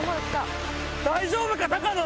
大丈夫か⁉高野！